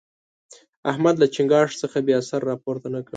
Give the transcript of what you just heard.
احمد له چينګاښ څخه بیا سر راپورته نه کړ.